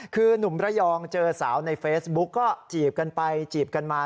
คือหนุ่มระยองเจอสาวในเฟซบุ๊กก็จีบกันไปจีบกันมา